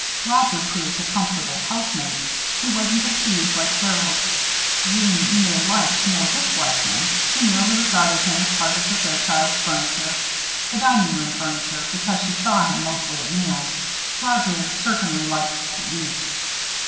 Roger proved a comfortable housemate. He wasn't a tease, like Harold. Jeanne neither liked nor disliked him. She merely regarded him as part of the Fairchilds' furniture the dining room furniture, because she saw him mostly at meals. Roger certainly liked to eat.